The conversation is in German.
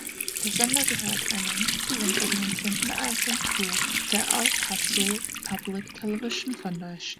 Der Sender gehört einer nicht gewinnorientierten Agentur, der El Paso Public Television Foundation.